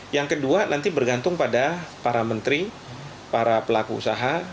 yang kedua nanti bergantung pada para menteri para pelaku usaha